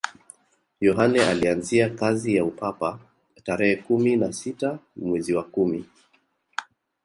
yohane alianzia kazi ya upapa tarehe kumi na sita mwezi wa kumi